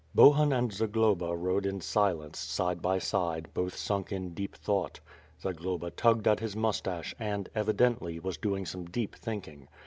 223 Bohun and Zagloba rode in silence, side by side, both sunk in deep thought. Zagloba tugged at his moustache and, evidently, was doing some deep thinking.